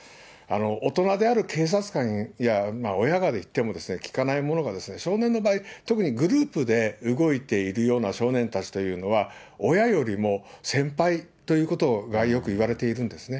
大人である警察官や親から言っても聞かないものが、少年の場合、特にグループで動いているような少年たちというのは、親よりも先輩ということがよくいわれているんですね。